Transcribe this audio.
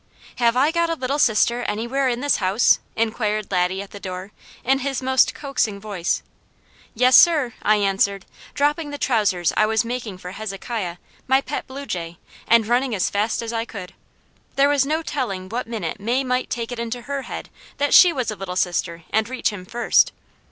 "Have I got a Little Sister anywhere in this house?" inquired Laddie at the door, in his most coaxing voice. "Yes sir," I answered, dropping the trousers I was making for Hezekiah, my pet bluejay, and running as fast as I could. There was no telling what minute May might take it into her head that she was a little sister and reach him first.